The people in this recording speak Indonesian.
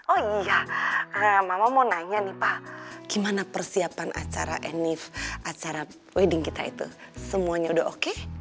oh iya mama mau nanya nih pak gimana persiapan acara annief acara wedding kita itu semuanya udah oke